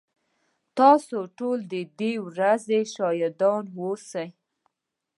تاسو ټول ددې ورځي شاهدان اوسئ